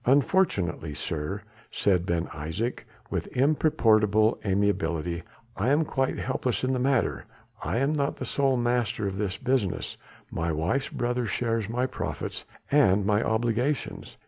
"Unfortunately, sir," said Ben Isaje with imperturbable amiability, "I am quite helpless in the matter. I am not the sole master of this business, my wife's brother shares my profits and my obligations.